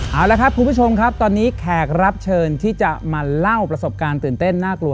เอาละครับคุณผู้ชมครับตอนนี้แขกรับเชิญที่จะมาเล่าประสบการณ์ตื่นเต้นน่ากลัว